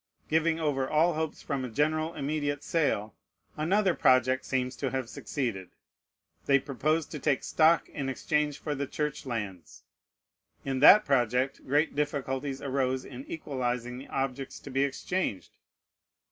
Giving over all hopes from a general immediate sale, another project seems to have succeeded. They proposed to take stock in exchange for the Church lands. In that project great difficulties arose in equalizing the objects to be exchanged.